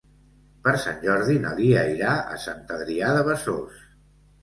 Per Sant Jordi na Lia irà a Sant Adrià de Besòs.